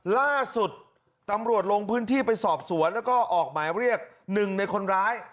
ล่าสุดตำรวจลงพื้นที่ไปสอบสวนแล้วก็ออกหมายเรียกหนึ่งในคนร้าย